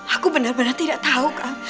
aku benar benar tidak tahu kang